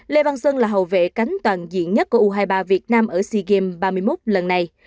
lê văn sơn là hậu vệ cánh toàn diện nhất của u hai mươi ba việt nam ở sea games ba mươi một lần này